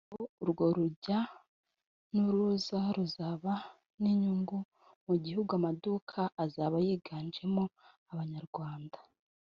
bityo ngo urwo rujya n’uruza ruzaba n’inyungu mu gihugu amaduka azaba yiganjemo ay’Abanyarwanda